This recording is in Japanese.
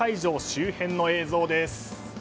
周辺の映像です。